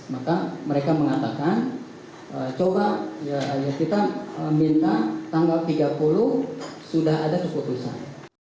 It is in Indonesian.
maka mereka mengatakan coba kita minta tanggal tiga puluh sudah ada keputusan